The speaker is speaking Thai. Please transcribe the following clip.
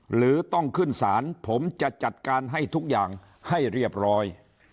หรือต้องขึ้นศาลผมจะจัดการให้ทุกอย่างให้เรียบร้อย